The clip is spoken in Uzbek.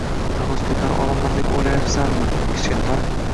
Tarvuz ko`tara olaman deb o`ylayapsanmi, kichkintoy